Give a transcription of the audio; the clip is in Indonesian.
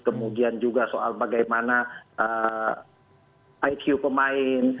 kemudian juga soal bagaimana iq pemain